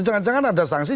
jangan jangan ada sanksi